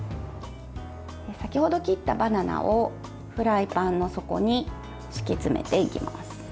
先ほど切ったバナナをフライパンの底に敷き詰めていきます。